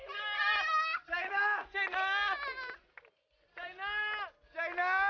jangan lupa like share dan subscribe ya